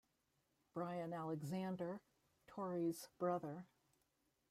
Brian Alexander - Tory's brother.